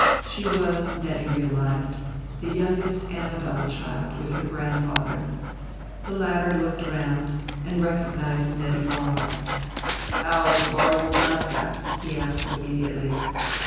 She was, Nettie realized, the youngest Ammidon child with her grand father. The latter looked round and recognized Nettie Vollar. "How's Barzil Dunsack?" he asked immediately.